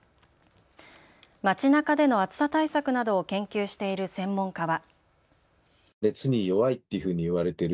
町なかでの暑さ対策などを研究している専門家は。